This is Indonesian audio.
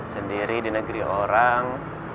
sendiri di negeri orang